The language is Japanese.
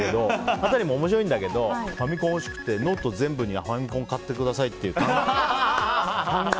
アタリも面白いんだけどファミコン欲しくてノート全部にファミコン買ってくださいって書いて。